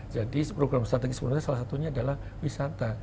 jadi program strategis pemerintah salah satunya adalah wisata